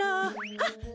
あっ！